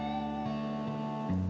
enak banget ya